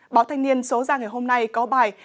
báo thanh niên số ra ngày hôm nay có bài